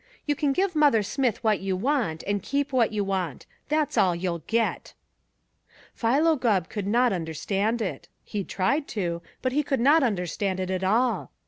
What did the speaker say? "You can give Mother Smith what you want, and keep what you want. That's all you'll get." Philo Gubb could not understand it. He tried to, but he could not understand it at all.